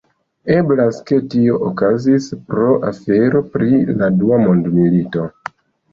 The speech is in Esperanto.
Eblas ke tio okazis pro afero pri la Dua Mondmilito.